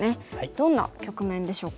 どんな局面でしょうか？